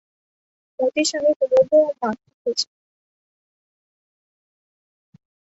মতির সঙ্গে কুমুদও মাকড়ি খোঁজে।